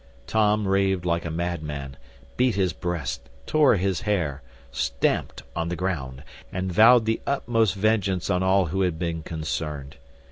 Tom raved like a madman, beat his breast, tore his hair, stamped on the ground, and vowed the utmost vengeance on all who had been concerned.